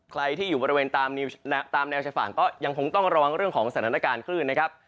ใครที่อยู่บริเวณตามแนวชายฝั่งก็ยังคงต้องระวังเรื่องของสถานการณ์คลื่นนะครับ